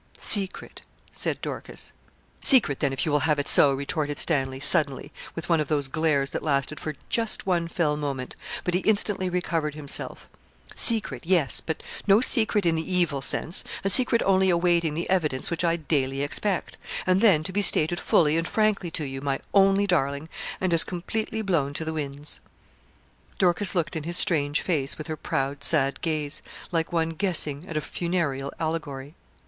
'Secret,' said Dorcas. 'Secret, then, if you will have it so,' retorted Stanley, suddenly, with one of those glares that lasted for just one fell moment; but he instantly recovered himself. 'Secret yes but no secret in the evil sense a secret only awaiting the evidence which I daily expect, and then to be stated fully and frankly to you, my only darling, and as completely blown to the winds.' Dorcas looked in his strange face with her proud, sad gaze, like one guessing at a funereal allegory.